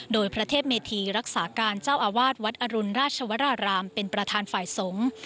โดยพระเทพเมธีรักษาการเจ้าอาวาสวัดอรุณราชวรารามเป็นประธานฝ่ายสงฆ์